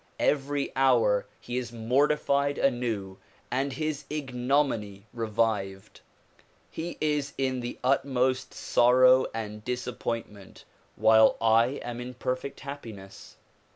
Every hour he is morti fied anew and his ignominy revived. He is in the utmost sorrow and disappointment while I am in perfect happiness.